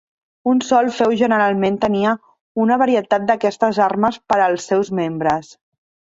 Un sol feu generalment tenia una varietat d'aquestes armes per als seus membres.